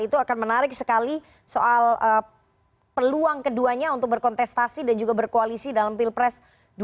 itu akan menarik sekali soal peluang keduanya untuk berkontestasi dan juga berkoalisi dalam pilpres dua ribu sembilan belas